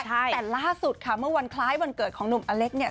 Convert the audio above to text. แต่ล่าสุดค่ะเมื่อวันคล้ายวันเกิดของหนุ่มอเล็กเนี่ย